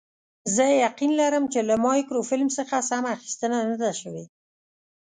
زه یقین لرم چې له مایکروفیلم څخه سمه اخیستنه نه ده شوې.